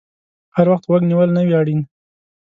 هر وخت غوږ نیول نه وي اړین